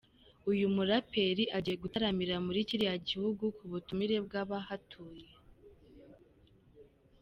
Uyu muraperi agiye gutaramira muri kiriya Gihugu ku butumire bw’abahatuye .